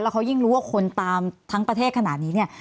เขายิ่งรู้ว่าคนตามทั้งประเทศขนาดนี้เนี่ย